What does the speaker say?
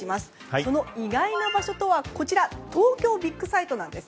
その意外な場所とは東京ビッグサイトです。